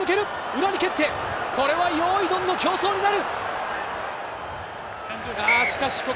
裏に蹴って、これは、よいドンの競争になる。